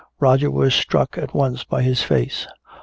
Roger was struck at once by his face.